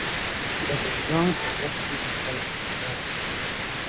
دۂ دونیا جئللئس و بئللئس غئدئرۂ